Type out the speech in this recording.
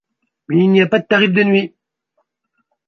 Il n'y a pas de tarif de nuit.